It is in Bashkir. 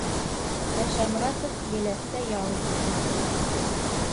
Ә Шамратов еләҫтә ял итеп ултыра